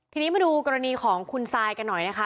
ทีนี้มาดูกรณีของคุณซายกันหน่อยนะคะ